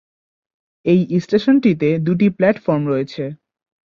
এই স্টেশনটিতে দুটি প্ল্যাটফর্ম রয়েছে।